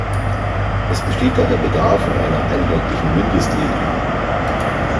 Es besteht daher Bedarf an einer einheitlichen Mindestregelung.